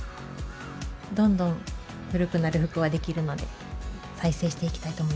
どんどん古くなる服はできるので再生していきたいと思います。